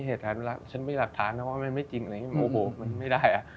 เหตุภาพเวลาฉันไม่รับทานว่ามันไม่จริงมันไม่ได้